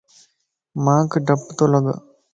مانک ڊپَ تو لڳَ